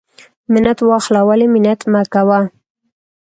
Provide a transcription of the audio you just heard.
ـ منت واخله ولی منت مکوه.